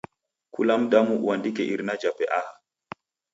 Kula mndu uandike irina jape aha.